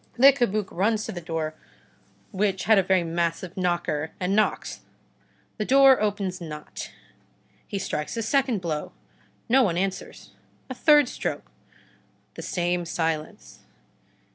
Le Cabuc runs to the door, which had a very massive knocker, and knocks. The door opens not. He strikes a second blow. No one answers. A third stroke. The same silence.